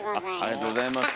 ありがとうございます。